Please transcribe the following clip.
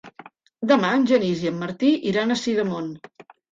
Demà en Genís i en Martí iran a Sidamon.